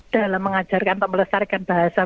dalam mengajarkan atau melestarikan bahasa